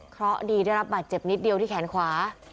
เพราะดีได้รับบาดเจ็บนิดเดียวที่แขนขวา